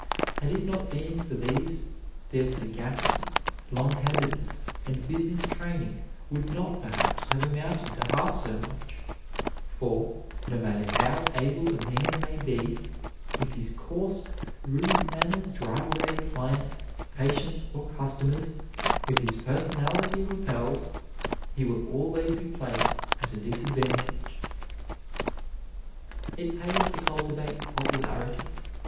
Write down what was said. Had it not been for these, their sagacity, long headedness, and business training would not, perhaps, have amounted to half so much; for, no matter how able a man may be, if his coarse, rude manners drive away clients, patients, or customers, if his personality repels, he will always be placed at a disadvantage. It pays to cultivate popularity.